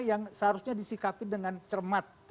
yang seharusnya disikapi dengan cermat